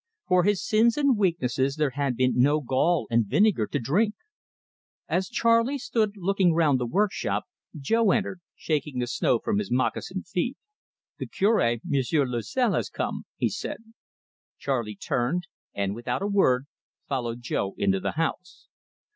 For his sins and weaknesses there had been no gall and vinegar to drink. As Charley stood looking round the workshop, Jo entered, shaking the snow from his moccasined feet. "The Cure, M'sieu' Loisel, has come," he said. Charley turned, and, without a word, followed Jo into the house.